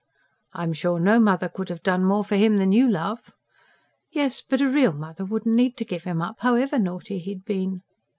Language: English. "I'm sure no mother could have done more for him than you, love." "Yes, but a real mother wouldn't need to give him up, however naughty he had been."